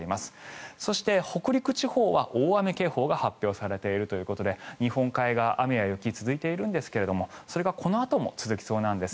そして、北陸地方は大雨警報が発表されているということで日本海側雨や雪が続いているんですがそれがこのあとも続きそうなんです。